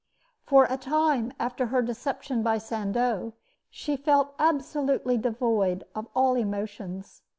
For a time after her deception by Sandeau, she felt absolutely devoid of all emotions.